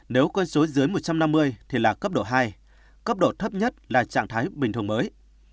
nếu con số dưới một trăm năm mươi thì là cấp độ hai cấp độ thấp nhất là trạng thái bình thường mới